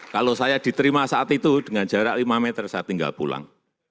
kalau saya diterima saat itu dengan jarak lima meter saya tinggal pulang